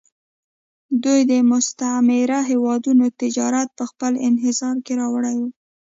دوی د مستعمره هېوادونو تجارت په خپل انحصار کې راوړی و